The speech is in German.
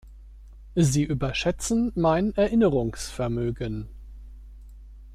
Sie überschätzen mein Erinnerungsvermögen.